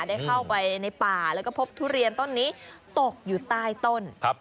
ได้เข้าไปในป่าแล้วก็พบทุเรียนต้นนี้ตกอยู่ใต้ต้นครับ